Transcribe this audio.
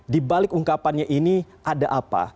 di balik ungkapannya ini ada apa